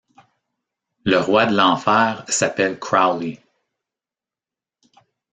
Le roi de l'Enfer s'appelle Crowley.